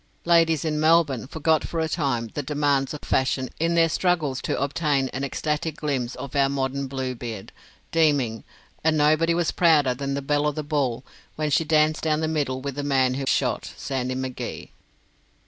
Ladies in Melbourne forgot for a time the demands of fashion in their struggles to obtain an ecstatic glimpse of our modern Bluebeard, Deeming; and no one was prouder than the belle of the ball when she danced down the middle with the man who shot Sandy M'Gee.